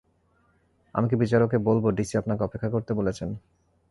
আমি কী বিচারককে বলবো ডিসি আপনাকে অপেক্ষা করতে বলেছেন?